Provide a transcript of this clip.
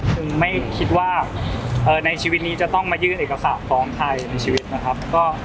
คือไม่คิดว่าในชีวิตนี้จะต้องมายื่นเอกสารฟ้องใครในชีวิตนะครับ